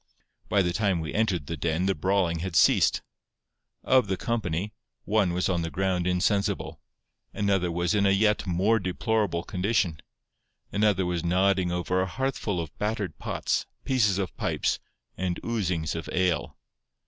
By the time we entered the den the brawling had ceased. Of the company, one was on the ground insensible; another was in a yet more deplorable condition; another was nodding over a hearthful of battered pots, pieces of pipes, and oozings of ale.